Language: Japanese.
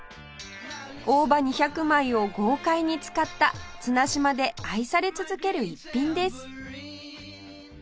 大葉２００枚を豪快に使った綱島で愛され続ける逸品です